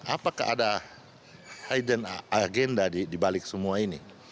apakah ada agenda di balik semua ini